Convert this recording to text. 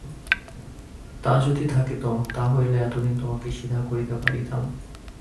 তা যদি থাকিত, তাহা হইলে এতদিন তোমাকে সিধা করিতে পারিতাম।